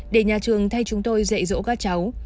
để nhà trường thay chúng tôi dạy dỗ các cháu